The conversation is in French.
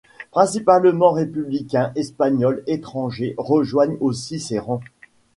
Principalement républicains espagnols, étrangers rejoignent aussi ses rangs.